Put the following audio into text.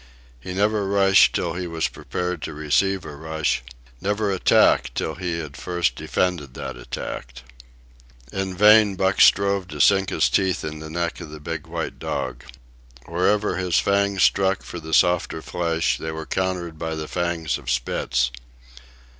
He never rushed till he was prepared to receive a rush; never attacked till he had first defended that attack. In vain Buck strove to sink his teeth in the neck of the big white dog. Wherever his fangs struck for the softer flesh, they were countered by the fangs of Spitz.